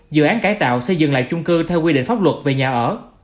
dự án cải tạo xây dựng lại chung cư theo quy định pháp luật về nhà ở